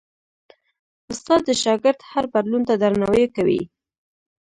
استاد د شاګرد هر بدلون ته درناوی کوي.